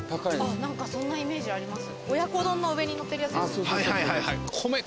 何かそんなイメージあります。